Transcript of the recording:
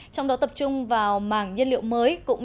trong đó tập trung vào màng nhân liệu mới